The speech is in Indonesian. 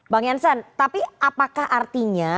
bang jansen tapi apakah artinya